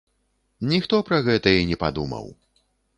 Ніхто пра гэта і не падумаў.